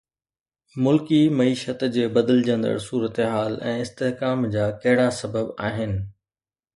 ملڪي معيشت جي بدلجندڙ صورتحال ۽ استحڪام جا ڪهڙا سبب آهن؟